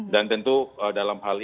dan tentu dalam hal ini